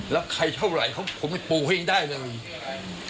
แล้วใครเท่าไหร่ผมไม่ปลูกให้ได้เลย